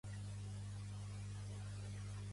Hi ha una escriptora que deu tenir molta merda a la boca